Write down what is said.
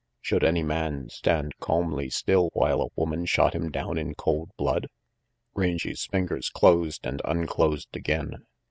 Should any man stand calmly still while a woman shot him down in cold blood? Rangy 's fingers closed and unclosed again.